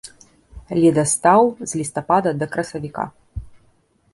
Ледастаў з лістапада да красавіка.